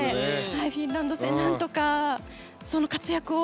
フィンランド戦なんとかその活躍を。